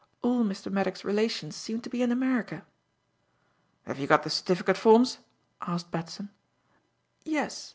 All Mr. Maddock's relations seem to be in America." "Have you got the certificate forms?" asked Batson. "Yes.